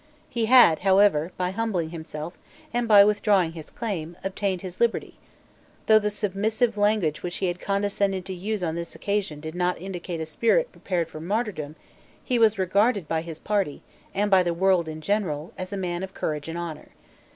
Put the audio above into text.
He had, however, by humbling himself, and by withdrawing his claim, obtained his liberty, Though the submissive language which he had condescended to use on this occasion did not indicate a spirit prepared for martyrdom, he was regarded by his party, and by the world in general, as a man of courage and honour.